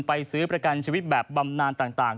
ซื้อประกันชีวิตแบบบำนานต่าง